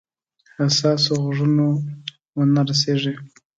حساسو غوږونو ونه رسیږي.